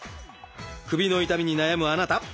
首の痛みに悩むあなた